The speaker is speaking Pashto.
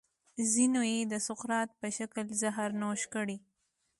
ځینو یې د سقراط په شکل زهر نوش کړي.